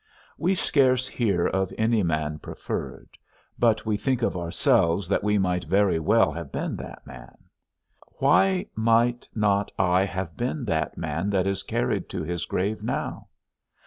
We scarce hear of any man preferred, but we think of ourselves that we might very well have been that man; why might not I have been that man that is carried to his grave now?